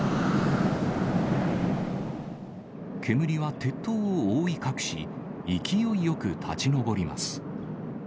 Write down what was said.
煙は鉄塔を覆い隠し、勢いよく立ち上ります。